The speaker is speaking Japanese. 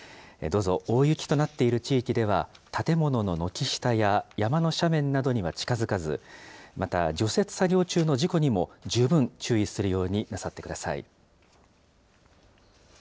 どうぞ、大雪となっている地域では、建物の軒下や山の斜面などには近づかず、また除雪作業中の事故にも十分注意するようになさってください。